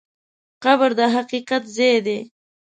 قبر د حقیقت ځای دی.